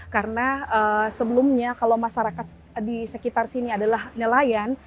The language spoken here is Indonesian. karena sebelumnya kalau masyarakat di sekitar sini adalah nelayan